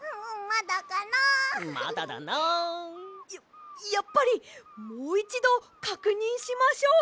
まだだな。ややっぱりもういちどかくにんしましょう！